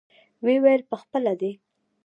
ويې ويل پخپله دى.